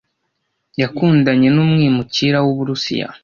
Yakundanye n’umwimukira w’Uburusiya.